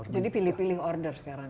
jadi pilih pilih order sekarang